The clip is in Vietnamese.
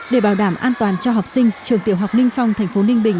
để bảo đảm an toàn cho học sinh trường tiểu học ninh phong thành phố ninh bình